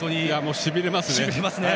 しびれますね。